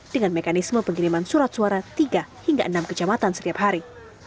dengan mekanisme pengiriman surat suara tiga hingga enam kecamatan setiap hari